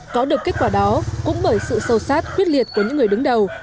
có được kết quả đó cũng bởi sự sâu sát quyết liệt của những người đứng đầu